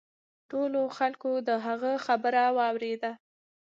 ټولو خلکو د هغه خبره واوریده.